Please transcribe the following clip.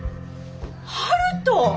悠人！